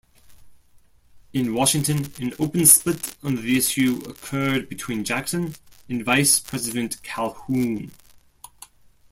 In Washington, an open split on the issue occurred between Jackson and Vice-President Calhoun.